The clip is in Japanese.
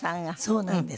そうなんです。